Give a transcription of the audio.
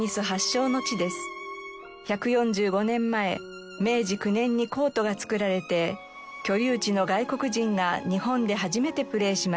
１４５年前明治９年にコートが作られて居留地の外国人が日本で初めてプレーしました。